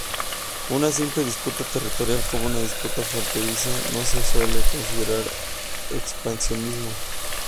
Una simple disputa territorial, como una disputa fronteriza, no se suele considerar expansionismo.